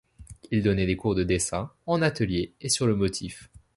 Il donnait des cours de dessin, en atelier et sur le motif.